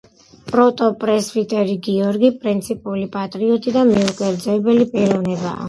პროტოპრესვიტერი გიორგი პრინციპული, პატრიოტი და მიუკერძოებელი პიროვნებაა.